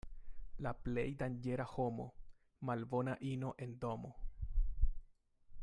La plej danĝera homo — malbona ino en domo.